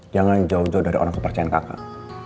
jangan jauh jauh dari orang kepercayaan kakak